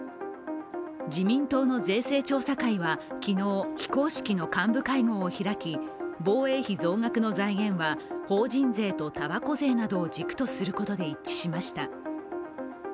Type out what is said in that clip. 自民党の税制調査会は昨日、非公式の幹部会合を開き防衛費増額の財源は、法人税とたばこ税などを軸とすることで一致しました。